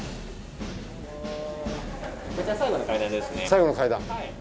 最後の階段？